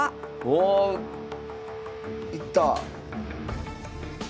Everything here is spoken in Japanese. おおいった！